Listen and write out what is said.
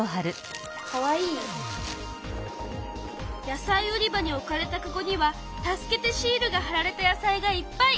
野菜売り場に置かれたかごには「助けてシール」がはられた野菜がいっぱい！